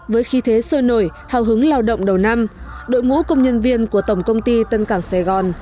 với khí thế sôi nổi hào hứng lao động đầu năm đội ngũ công nhân viên của tổng công ty tân cảng sài gòn